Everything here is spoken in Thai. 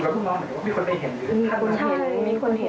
ว่าอย่างไรครับอยู่กับลูกน้องเหมือนว่ามีคนไม่เห็น